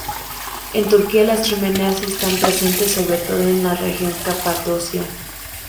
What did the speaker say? En Turquía, las chimeneas están presentes sobre todo en la región de Capadocia.